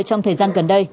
trong thời gian gần đây